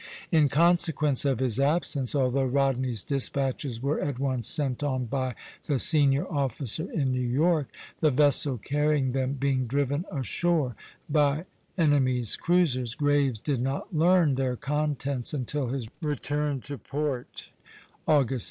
In consequence of his absence, although Rodney's despatches were at once sent on by the senior officer in New York, the vessel carrying them being driven ashore by enemy's cruisers, Graves did not learn their contents until his return to port, August 16.